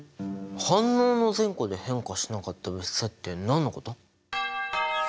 反応の前後で変化しなかった物質って何のこと？